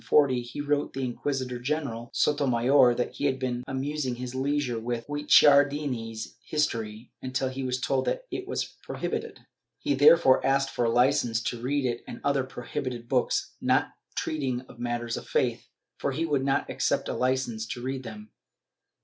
IV] LIGEN0E8 523 IV had no general licence until, about 1640, he wrote to Inquisitor general Sotomayor that he had been amusing his leisure with Guicciardini's History, until he was told that it was prohibited. He therefore asked for a licence to read it and other prohibited books not treating of matters of faith, for he would not accept a licence to read them.